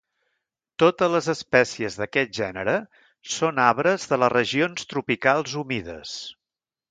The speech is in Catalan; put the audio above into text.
Totes les espècies d'aquest gènere són arbres de les regions tropicals humides.